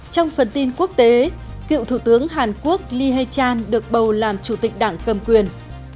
trong phần tin quốc tế cựu thủ tướng hàn quốc lee hae chan được bầu làm chủ tịch đảng cầm quyền